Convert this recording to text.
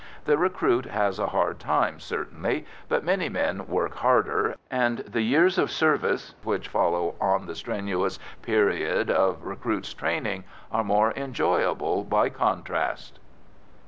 The recruit has a hard time, certainly, but many men work harder, and the years of service which follow on the strenuous period of recruits' training are more enjoyable by contrast.